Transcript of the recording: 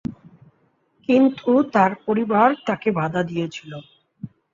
কিন্তু তার পরিবার তাকে বাঁধা দিয়েছিল।